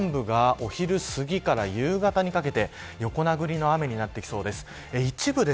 北海道の南部がお昼すぎから夕方にかけて横殴りの雨になってきそうです。